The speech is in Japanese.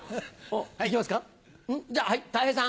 おっ、いきますか。